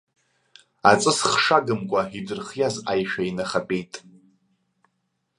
Аҵыс хшы агымкәа идырхиаз аишәа инахатәеит.